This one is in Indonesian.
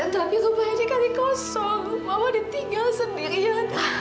tapi rumahnya ini kan kosong mama ditinggal sendirian